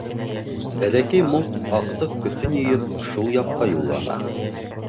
Бәләкәй Мук, аҡтыҡ көсөн йыйып, шул яҡҡа юллана.